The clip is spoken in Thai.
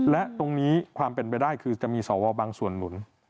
และตรงนี้ความเป็นไปได้คือจะมีสวบางส่วนหมุน